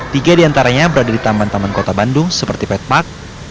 tiga di antaranya berada di taman taman kota bandung seperti pet park